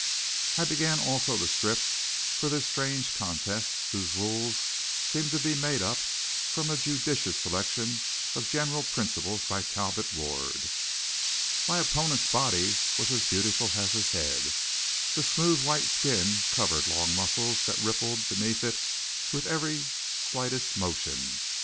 I began also to strip for this strange contest whose rules seemed to be made up from a judicious selection of general principles by Talbot Ward. My opponent's body was as beautiful as his head. The smooth white skin covered long muscles that rippled beneath it with every slightest motion.